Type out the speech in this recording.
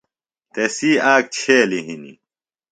تسی آک چھیلیۡ ہِنیۡ۔